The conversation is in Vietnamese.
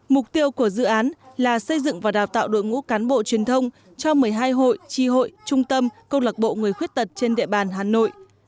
mục tiêu của dự án là xây dựng và đào tạo đội ngũ cán bộ truyền thông cho một mươi hai hội tri hội trung tâm công lạc bộ người khuyết tật trên địa bàn hà nội